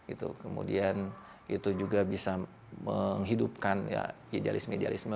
itu kemudian itu juga bisa menghidupkan idealisme idealisme